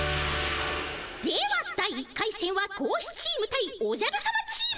では第１回せんは貴公子チーム対おじゃるさまチーム。